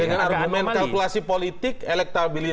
dengan argumen kalkulasi politik elektabilitas